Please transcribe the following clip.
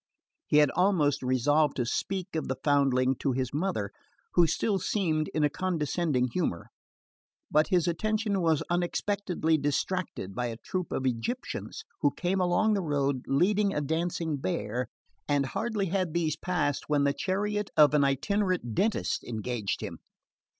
He had almost resolved to speak of the foundling to his mother, who still seemed in a condescending humour; but his attention was unexpectedly distracted by a troop of Egyptians, who came along the road leading a dancing bear; and hardly had these passed when the chariot of an itinerant dentist engaged him.